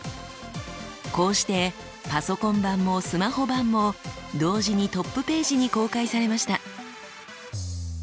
こうしてパソコン版もスマホ版も同時にトップページに公開されました。